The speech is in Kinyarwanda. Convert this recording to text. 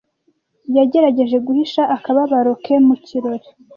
Yagerageje guhisha akababaro ke mu kirori.